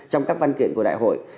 trong các văn kiện của đại hội